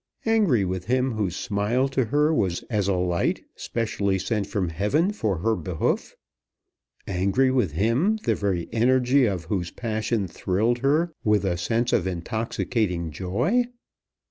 Angry with him, whose smile to her was as a light specially sent from heaven for her behoof! Angry with him, the very energy of whose passion thrilled her with a sense of intoxicating joy!